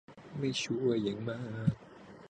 แต่ไม่ชัวร์อย่างมาก